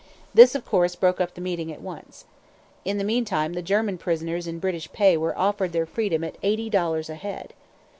This of course broke up the meeting at once. In the meantime the German prisoners in British pay were offered their freedom at eighty dollars a head.